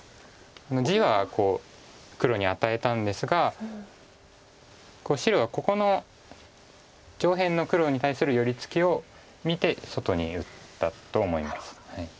地は黒に与えたんですが白はここの上辺の黒に対する寄り付きを見て外に打ったと思います。